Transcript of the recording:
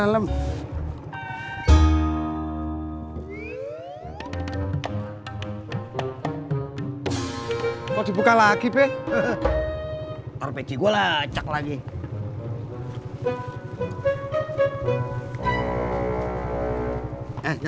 sampai jumpa di video selanjutnya